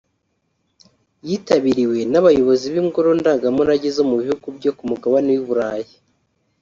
yitabiriwe n’abayobozi b’Ingoro Ndangamurage zo mu bihugu byo ku mugabane w’u Burayi